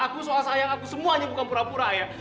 aku soal sayang aku semuanya bukan pura pura ya